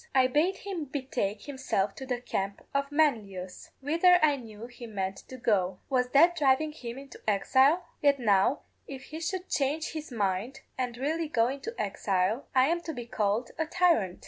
I bade him betake himself to the camp of Manlius, whither I knew he meant to go. Was that driving him into exile? Yet now if he should change his mind, and really go into exile, I am to be called a tyrant.